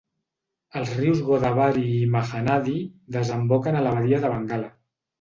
Els rius Godavari i Mahanadi desemboquen a la badia de Bengala.